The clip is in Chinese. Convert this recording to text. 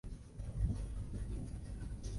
这部电影普遍招致严厉的批评。